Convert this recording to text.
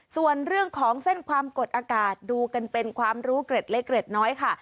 ส่วนเรื่องของเส้นความกดอากาศดูกันเป็นความรู้เกร็ดเล็กเกร็ดน้อยค่ะ